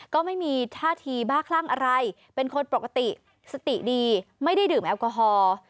ก็ไม่มีท่าทีบ้าคลั่งอะไรเป็นคนปกติสติดีไม่ได้ดื่มแอลกอฮอล์